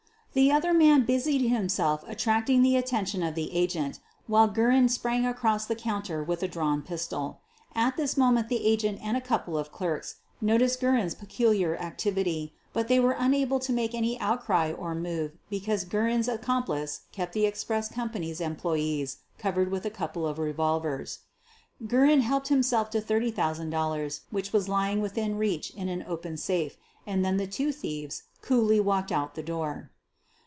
The other man busied himself attracting the attention of the agent while Guerin sprang across the counter with a drawn pistol. At this moment the agent and a couple of clerks noticed Guerin's peculiar activity, but they were unable to make any outcry or move QUEEN OF THE BURGLARS 83 because Guerin 's accomplice kept the express com pany's employees covered with a couple of revolvers. Guerin helped himself to $30,000 which was lying within reach in an open safe, and then the two thieves coolly walked out the door.